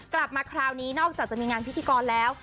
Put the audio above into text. กลับมาคราวนี้นอกจากจะมีงานพิธีกรแล้ว